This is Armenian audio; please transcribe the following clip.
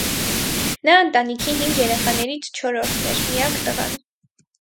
Նա ընտանիքի հինգ երեխաներից չորրորդն էր, միակ տղան։